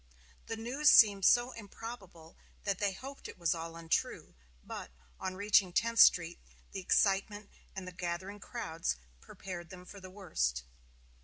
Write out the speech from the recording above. The news seemed so improbable that they hoped it was all untrue; but, on reaching Tenth Street, the excitement and the gathering crowds prepared them for the worst.